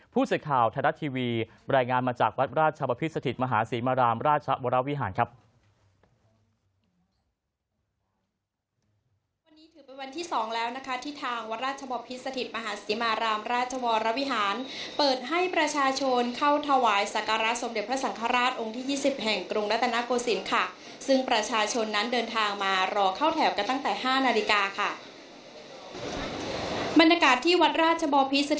ผู้สื่อข่าวไทยรัฐทีวีรายงานมาจากวัดราชบพิษสถิตมหาศรีมารามราชวรวิหารครับ